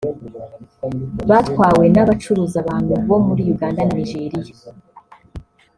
batwawe n’abacuruza abantu bo muri Uganda na Nigeria